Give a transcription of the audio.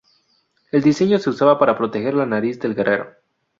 El diseño se usaba para proteger la nariz del guerrero.